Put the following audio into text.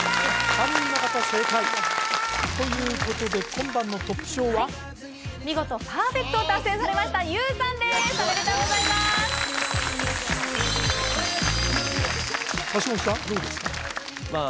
３人の方正解ということで今晩のトップ賞は見事パーフェクトを達成されましたＹＯＵさんですおめでとうございます橋本さん